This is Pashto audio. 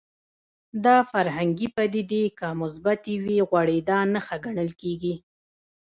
دا فرهنګي پدیدې که مثبتې وي غوړېدا نښه ګڼل کېږي